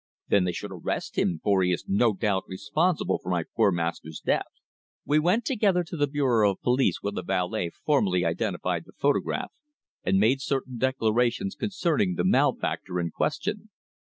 "Then they should arrest him, for he is no doubt responsible for my poor master's death." We went together to the Bureau of Police where the valet formally identified the photograph, and made certain declarations concerning the malefactor in question.